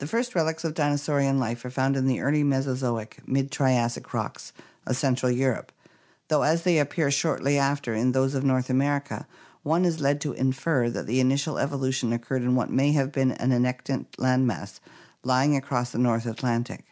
The first relics of dinosaurian life are found in the early Mesozoic (Mid Triassic) rocks of Central Europe, though as they appear shortly after in those of North America one is led to infer that the initial evolution occurred in what may have been an annectant land mass lying across the North Atlantic.